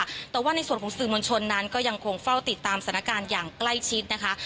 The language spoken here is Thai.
แต่ว่าในส่วนของสื่อมวลชนนั้นก็ยังคงเฝ้าติดตามสถานการณ์อย่างใกล้ชิดนะคะ